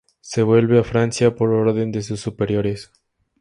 Se vuelve a Francia por orden de sus superiores.